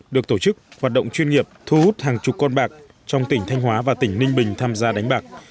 được tổ chức hoạt động chuyên nghiệp thu hút hàng chục con bạc trong tỉnh thanh hóa và tỉnh ninh bình tham gia đánh bạc